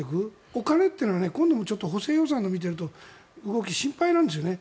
お金というのは今度の補正予算を見ていると動き、心配なんですよね。